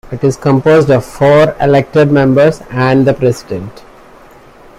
It is composed of four elected members and the President.